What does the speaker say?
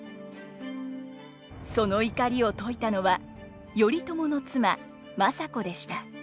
その怒りを解いたのは頼朝の妻政子でした。